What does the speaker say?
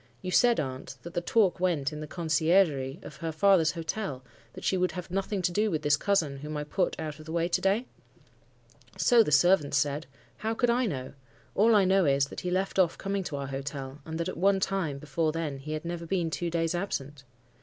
You said, aunt, that the talk went in the conciergerie of her father's hotel, that she would have nothing to do with this cousin whom I put out of the way to day?' "'So the servants said. How could I know? All I know is, that he left off coming to our hotel, and that at one time before then he had never been two days absent.